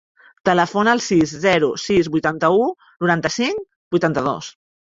Telefona al sis, zero, sis, vuitanta-u, noranta-cinc, vuitanta-dos.